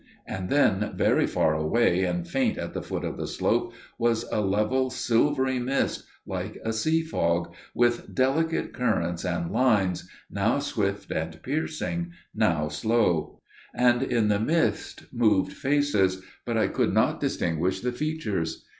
And then very far away and faint at the foot of the slope was a level silvery mist, like a sea fog, with delicate currents and lines, now swift and piercing, now slow; and in the mist moved faces; but I could not distinguish the features.